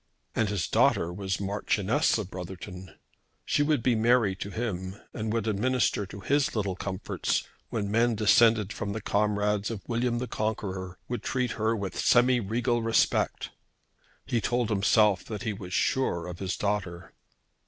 And his daughter was Marchioness of Brotherton. She would be Mary to him, and would administer to his little comforts when men descended from the comrades of William the Conqueror would treat her with semi regal respect. He told himself that he was sure of his daughter.